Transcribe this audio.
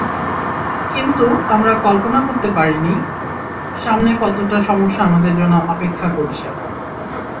কিন্তু আমরা কল্পনা করতে পারিনি, সামনেকতটা সমস্যা আমাদের জন্য অপেক্ষা করছে।